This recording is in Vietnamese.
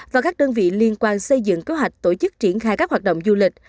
và các đơn vị liên quan xây dựng kế hoạch tổ chức triển khai các hoạt động du lịch